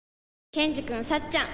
ケンジくんさっちゃん